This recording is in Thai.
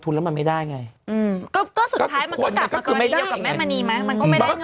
อึกอึกอึก